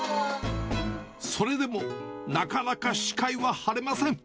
それでも、なかなか視界は晴れません。